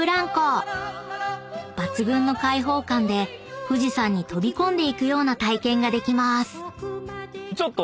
［抜群の開放感で富士山に飛び込んでいくような体験ができます］